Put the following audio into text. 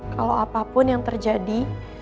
kalau apapun yang terjadi